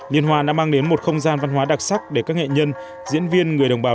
liên hoan đã mang đến một không gian văn hóa đặc sắc để các nghệ nhân diễn viên người đồng bào